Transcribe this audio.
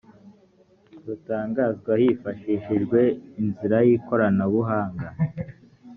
rutangazwa hifashishijwe inzira y ikoranabuhanga